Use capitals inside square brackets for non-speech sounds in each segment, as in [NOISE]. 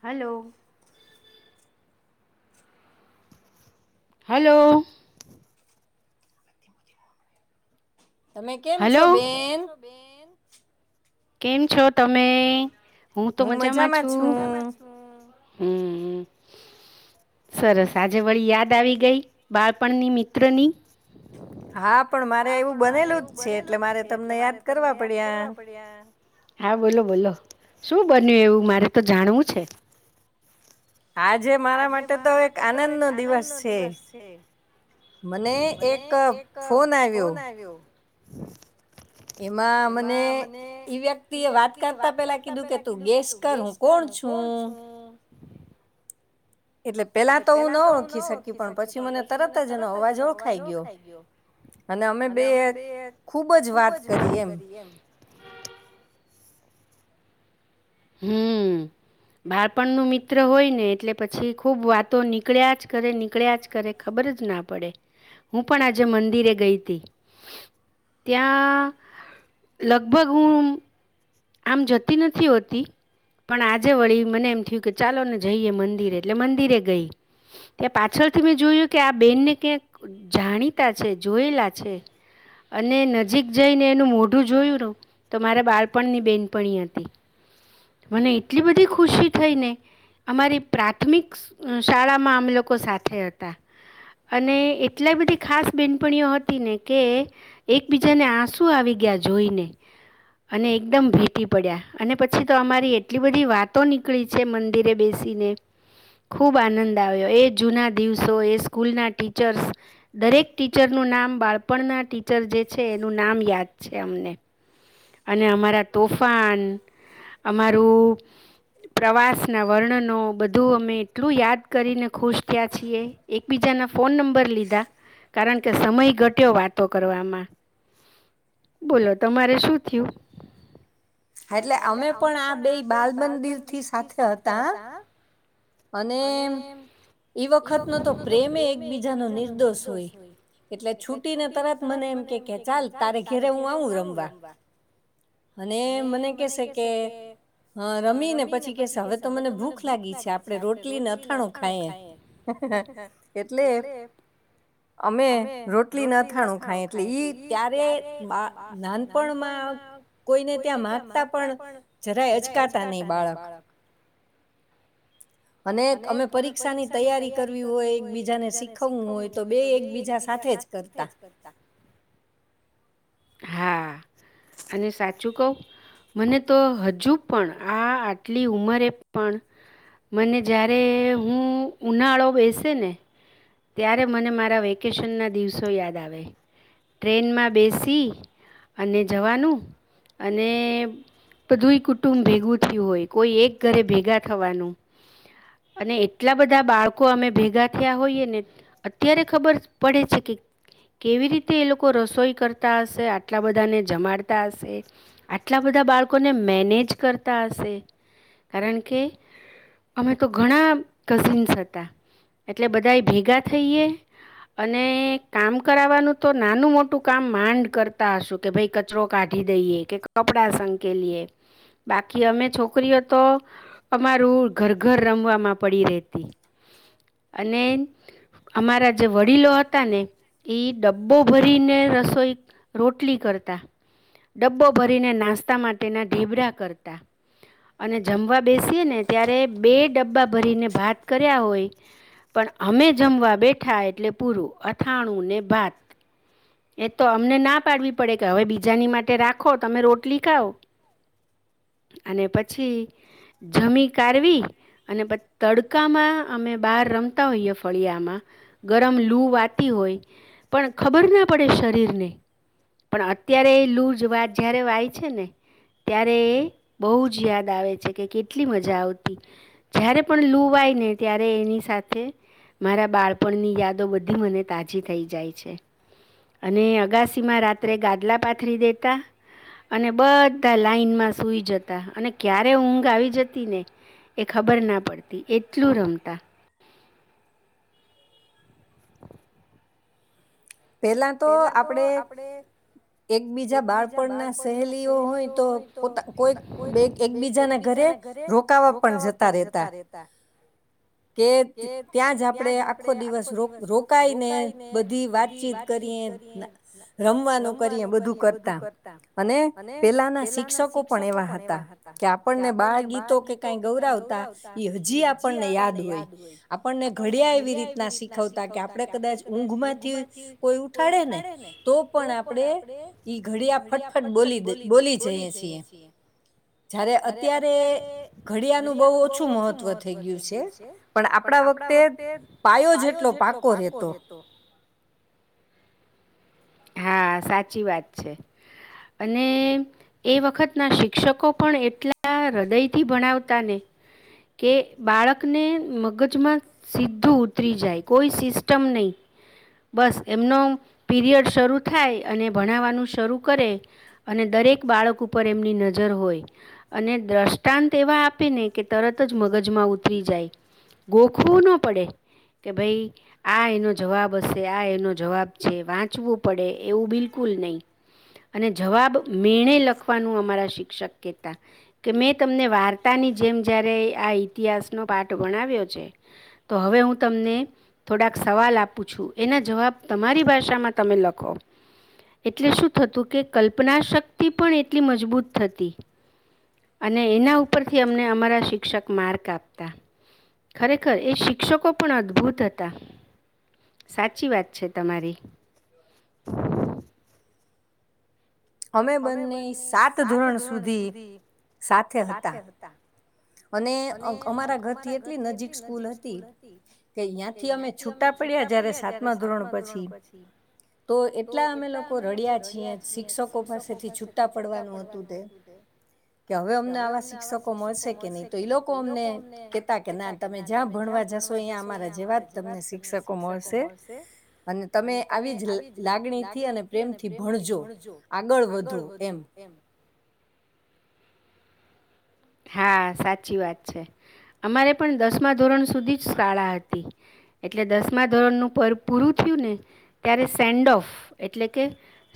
Hello hello hello કેમ છો તમે? હું તો મજામાં છું. હમ હમ સરસ આજે વળી યાદ આવી ગઈ બાળપણની મિત્ર ની. હા પણ મારે એવું બનેલું. બનેલું છે એટલે મારે તમને યાદ કરવા પડ્યા. હા બોલો બોલો શું બને એવું મારે તો જાણવું છે. આજે મારા માટે તો એક આનંદ નો દિવસ છે મને એક ફોન આવ્યો. [UNINTELLIGIBLE] એમાં મને ઈ વ્યક્તિ એ વાત કરતા પેલા કીધું કે તું ગેસ કર હું કોણ છું. એટલે પેલા તો હું ના ઓળખી શકી પણ પછી મને તરત જ એનો અવાજ ઓળખાઈ ગયો અને અમે બે ખુબજ વાત કરી એમ. હમ બાળપણ નો મિત્ર હોય ને એટલે પછી ખુબ વાતો નીકળ્યા જ કરે નીકળ્યા જ કરે ખબર જ ના પડે હું પણ આજે મંદિરે ગઈ હતી ત્યાં લગભગ હું આમ જતી નથી હોતી પણ આજે વળી મને એમ થયું કે ચાલો ને જઈએ મંદિરે એટલે મંદિરે ગઈ ત્યાં પાછળ થી મેં જોયું કે આ બેનને ક્યાંક જાણીતા છે જોયેલા છે અને નજીક જઈને એનું મોઢું જોયું ન તો મારે બાળ આપની બેનપણી હતી, મને એટલી બધી ખુશી થઈને, અમારી પ્રાથમિક શાળામાં આમ લોકો સાથે હતા, અને એટલા બધી ખાસ બેનપણીઓ હતી ને કે એકબીજાને આંસુ આવી ગયા જોઈને. અને એકદમ ભીતી પડ્યા, અને પછી તો અમારી એટલી બધી વાતો નીકળી છે મંદિરે બેસીને, ખૂબ આનંદ આવ્યો એ જૂના દિવસો એ સ્કૂલના ટીચર્સ, દરેક ટીચરનું નામ બાળપણના ટીચર જે છે એનું નામ યાદ છે અમને. અને અમારા તોફાન, અમારું પ્રવાસના વર્ણનો બધું અમે એટલું યાદ કરીને ખુશ થયા છીએ. એકબીજાના ફોન નંબર લીધા કારણ કે સમય ઘટ્યો વાતો કરવામાં, બોલો તમારે શું [UNINTELLIGIBLE] એટલે અમે પણ આ બે બાલ મંદિર થી સાથે હતા, હા. અને, એ વખત નો તો પ્રેમે એકબીજા નો નિર્દોષ હોય, એટલે છૂટીને તરત મને એમ કે કે ચાલ તારે ઘેરે હું આવું રમવા. અને મને કેસે કે હ રમી ને પછી કેશે હવે તો મને ભૂખ લાગી છે આપ આપણે રોટલી નાથાણું ખાઈએ, એટલે અમે રોટલી ના થાણું ખાઈએ, એટલે ઈ ત્યારે નાનપણ કોઈને ત્યાં માંગતા પણ, જરાય અચકાતા નહી બાળક. અને અમે પરીક્ષાની તૈયારી કરવી હોય એકબીજાને શીખવવું હોય તો બે એકબીજા સાથે જ કરતા. હા. અને સાચું કહું, મને તો હજુ પણ આ આટલી ઉંમરે પણ, મને જ્યારે હું ઉનાળો બેસે ને. ત્યારે મને મારા વેકેશન ના દિવસો યાદ આવે, ટ્રેનમાં બેસી અને જવાનું અને બધું કુટુંબ ભેગું થયું હોય કોઈ એક ઘરે ભેગા થવાનું અને એટલા બધા બાળકો અમે ભેગા થયા હોઈએ ને. અત્યારે ખબર પડે છે કે કેવી રીતે એ લોકો રસોઈ કરતા હશે આટલા બધાને જમાડતા હશે, આટલા બધા બાળકો લોકોને મેૅનેજ કરતા હશે, કારણ કે અમે તો ઘણા હતા, એટલે બધા ભેગા થઈએ અને કામ કરવાનું. તો નાનું મોટું કામ માંડ કરતા હશું કે ભાઈ કચરો કાઢી દઈએ કે કપડા સંકેલીએ, બાકી અમે છોકરીઓ તો, અમારું ઘર ઘર રમવામાં પડી રતી, અને અમારા જે વડીલો હતા ને એ ડબ્બો ભરીને રસોઈ રોટલી કરત, ડબ્બો ભરીને નાસ્તા માટેના ઢીબડા કરતા અને જમવા બેસીએ ને ત્યારે બે ડબ્બા ભરીને ભાત કર્યા હોય પણ અમે જમવા બેટ મીઠા એટલે પૂરું, અથાણું ને ભાત એતો અમને ના પાડવી પડે, કે હવે બીજાની માટે રાખો તમે રોટલી ખાવ અને પછી જમી કાવી અને તડકામાં અમે બહાર રમતા હોઈએ. [INAUDIBLE] ગરમ લૂ વાતી હોય, પણ ખબર ના પડે શરીરને પણ અત્યારે એ લૂ જ વાત જ્યારે વાય છે ને, ત્યારે એ બહુ જ યાદ આવે છે કે કેટલી મજા આવતી, જ્યારે પણ લૂ વાય ને ત્યારે એની સાથે મારા બાળપણની યાદો બધી મને તાજી થઈ જાય છે, અને અગાસી માં રાત્રે ગાદલા પાથરી દેતા, અને બધા લાઈનમાં સૂઈ જતા અને ક્યારે ઊંઘ આવી જતી ને, એ ખબર ના પડતી એટલું રમતા. પેલા તો આપડે એકબીજા બાળપણ ના સહેલીઓ હોય, તો પોતા કોઈ એકબીજાના ઘરે રોકાવા પણ જતા રેતા. કે ત્યાં જ આપણેે આખો દિવસ રોકાઈને બધી વાતચીત રમવાનું કરી બધું કરતા અને પેલાના શિક્ષકો પણ એવા હતા, કે આપણને બાળ ગીતો કે કઈ ગૌરવતા એ હજી આપણને યાદ આપણને ઘડિયા એવી રીતના શીખવતા કે આપણે કદાચ ઊંઘ માંથી કોઈ ઉખાડે ને, તો પણ આપણે ઈ ઘડિયા ફટફટ બોલી બોલી જઈ છીએ. જારે અત્યારે ઘડિયાનું બહુ ઓછું મહત્વ થઈ ગયું છે, પણ આપણા વખતે પાયો જેટલો પાકો રહેેતો. હા સાચી વાત છે, અને એ વખતના શિક્ષકો પણ એટલા હૃદયથી ભણાવતા ને, કે બાળકને મગજમાં સીધું ઉતરી જાય કોઈ સિસ્ટમ નહી, બસ એમનો પીરિયડ શરૂ થાય અને ભણાવવાનું શરૂ કરે, અને દરેક બાળક ઉપર એમની નજર હોય, અને દ્રષ્ટાંત એવા આપેને કે તરત જ મગજમાં ઉતરી જાય, ગોખવું ન પડે, કે ભાઈ આ એનો જવાબ હશે આ એનો જવાબ છે વાંચવું. પડે એવું બિલકુલ નહીં, અને જવાબ મેણે લખવાનું અમારા શિક્ષક કહેતા કે મેં તમને વાર્તાની જેમ જ્યારે આ ઇતિહાસનો પાઠ ભણાવ્યો છે, તો હવે હું તમને થોડાક સવાલ આપું છું એના જવાબ તમારી ભાષામાં તમે લખો. એટલે શું થતું કે કલ્પના શક્તિ પણ એટલી મજબૂત થતી અને એના ઉપરથી અમને અમારા શિક્ષક માર્ક આપતા. ખરેખર એ શિક્ષકો પણ અદભુત હતા. સાચી, વાત છે તમારી. અમે બંને સાત ધોરણ સુધી સાથે હતા. અને અમારા ઘરથી એટલી નજીક સ્કૂલ હતી, કે યાંથી અમે છુટા પડ્યા જયારે સાતમા ધોરણ પછી તો એટલા અમે લોકો રડ્યા છીએ શિક્ષકો પાસેથી છુટા પડવાનું હતું તે, કે હવે અમને આવા શિક્ષકો મળશે. કે નહી તો એ લોકો અમને કેતા કે ના તમે જ્યાં ભણવા જશો અ્યાં અમારા જેવા જ તમને શિક્ષકો મળશે અને તમે આવી જ લાગણીથી અને પ્રેમથી ભણજો આગળ વધો એમ. હા, સાચી વાત છે. અમારે પણ દસમા ધોરણ સુધી જ શાળા હતી. એટલે દસમા ધોરણનું [UNINTELLIGIBLE] પૂરું થયું ને ત્યારે સેન્ડ ઓફ એટલે કે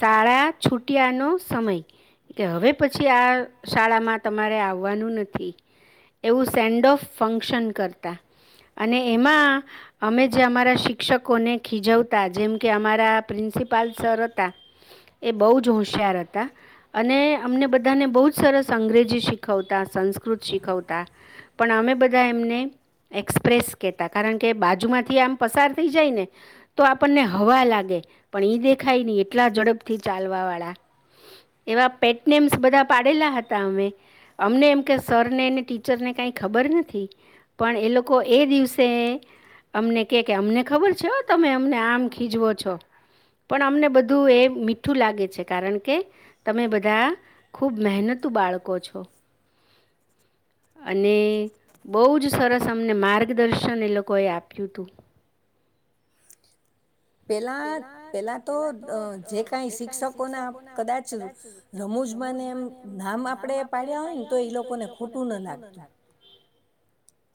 શાળા છૂટિયાનો સમય કે હવે પછી આ શાળામાં તમારે આવ વાનું નથી, એવું સેન્ડ ઓફ ફંક્શન કરતા અને એમાં અમે જે અમારા શિક્ષકોને ખીજવતા જેમ કે અમારા પ્રિન્સિપાલ સર હતા એ બહુ જ હોશિયાર હતા અને અમને બધાને બહુ જ સરસ અંગ્રેજી શીખ શીખતા. સંસ્કૃત શીખવતા પણ અમે બધા એમને એક્સપ્રેસ કેતા. કારણ કે બાજુમાંથી આમ પસાર થઈ જાય ને તો આપણને હવા લાગે પણ એ દેખાય નહી, એટલા ઝડપથી ચાલવા વાળા એવા પેટનેમ્સ બધા પાડેલા હતા અમે. અમને એમ કે સરને અને ટીચરને કાંઈ ખબર નથી, પણ એ લોકો એ દિવસે અમને કે કે અમને ખબર છે હો તમે અમને આમ ખીજવો છો, પણ અમને બધું એ મીઠું લાગે છે. કારણ કે તમે બધા ખૂબ મહેનતું બાળકો છો. અને બહુ જ સરસ અમને માર્ગદર્શન એ લોકોએ આપ્યું હતું. પેલા પેલા તો અ જે કાંઇ શિક્ષકોના કદાચ રમૂજમાંને એમ નામ આપડે પાડ્યા હોય ને તો એ લોકોને ખોટું ના લાગતું.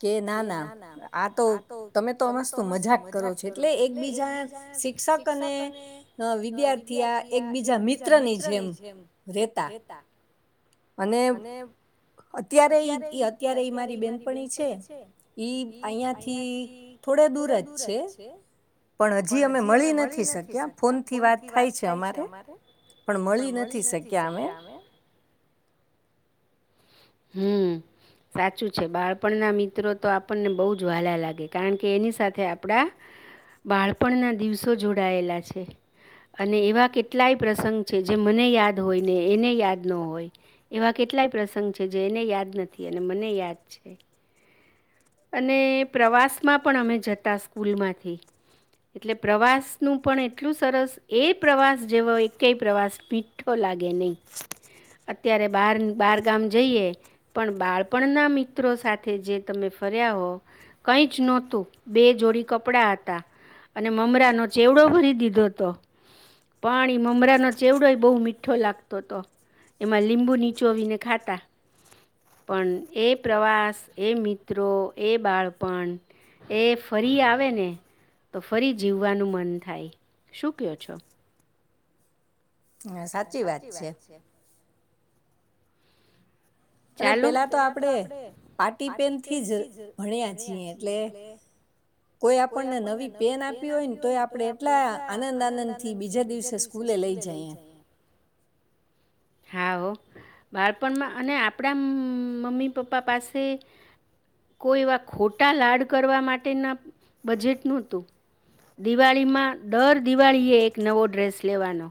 કે, ના ના આ તો તમે તો મસ્તુ મજાક કરો છો, એટલે એકબીજા શિક્ષક અને વિદ્યાર્થી આ એકબીજા મિત્રની જેમ રેતા. અને અત્યારે ઇ અત્યારે મારી બેનપણી છે. ઈ અહીંયાથી થોડે દૂર જ છે પણ હજી અમે મળી નથી શક્યા ફોન થી વાત થાય છે અમારે પણ મળી નથી શક્યા અમે. હમ સાચું છે. બાળપણના મિત્રો તો આપણને બઉ જ વાલા લાગે કારણ કે, એની સાથે આપડા બાળપણના દિવસો જોડાયેલા છે અને એવા કેટલાય પ્રસંગ છે જે મને યાદ હોય ને એને યાદ ન હોય એવા કેટલાય પ્રસંગ સંગ છે જે એને યાદ નથી અને મને યાદ છે. અને પ્રવાસમાં પણ અમે જતા સ્કૂલમાંથી, એટલે પ્રવાસનું પણ એટલું સરસ એ પ્રવાસ જેવો એકય પ્રવાસ મીઠો લાગે નહીં, અત્યારે બાર બાર ગામ જઈએ, પણ બાળપણના મિત્રો સાથે જે તમે ફર્યા હો, કંઈ જ નહોતું બે જોડી કપડાં હતા અને મમરાનો ચેવડો ભરી દીધો તો પણ એ મમરાનો ચેવડોએ બહુ મીઠો લાગતો તો એમાં લીંબુ નીચોવીને ખાતા. પણ એ પ્રવાસ એ મિત મિત્રો એ બાળપણ એ ફરી આવે ને તો ફરી જીવવાનું મન થાય શું કયો છો? હા, સાચી વાત છે. ચાલો પેલા તો આપણેે પાટી પેનથી જ ભણ્યા છીએ, એટલે કોઈ આપણને નવી પેન આપી હોયને તોય આપણે એટલા આનંદ આનંદ થી બીજા દિવસે સ્કૂલે લઈ જાયે. હા હો, બાળપણમાં અને આપણા મમ મમ્મી પપ્પા પાસે કોઈ એવા ખોટા લાડ કરવા માટેના બજેટ નહતું. દિવાળીમાં દર દિવાળીએ એક નવો ડ્રેસ લેવાનો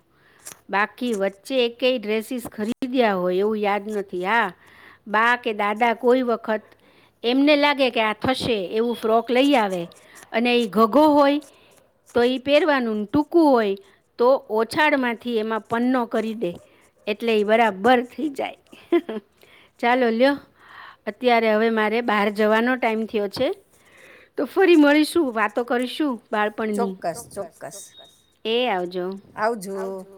બાકી વચ્ચે એક કઈ ડ્રેસીસ ખરીદીદ્યા હોય એવું યાદ નથી. હા બા કે દાદા કોઈ વખત એમને લાગે કે આ થશે એવું ફ્રોક લઈ આવે અને એ ઘઘો હોય તો એ પહેરવાનું ટૂંકું હોય તો ઓછાળમાંથી એમાં પન્નો કરી દે. એટલે એ બરાબર થઈ જાય. ચાલો લ્યો અત્યારે હવે મારે બહાર જવાનો ટાઈમ થયો છે. તો ફરી મળીશું, વાતો કરીશું બાળપણની. ચોક્કસ. કસ. એ આવ જો, આવજો.